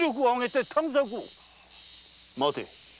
待て！